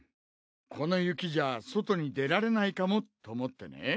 この雪じゃ外に出られないかもと思ってね。